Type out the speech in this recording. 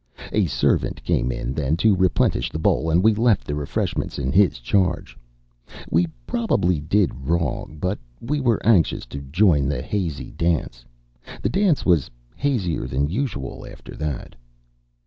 A servant came in then, to replenish the bowl, and we left the refreshments in his charge. We probably did wrong, but we were anxious to join the hazy dance. The dance was hazier than usual, after that.